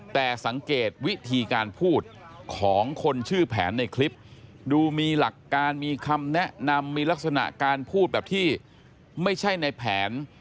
แต่สังเกตวิธีการพูดของคนชื่อแผนในคลิปดูมีหลักการมีคำแนะนำมีลักษณะการพูดแบบที่ไม่ใช่ในแผน